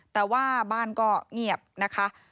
แต่ว่าบ้านก็เงียบนะคะ